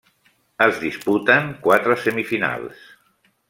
Es disputen quatre semifinals.